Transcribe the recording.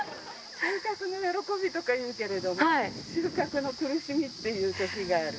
収穫の喜びとかいうけれども、収穫の苦しみっていうときがある。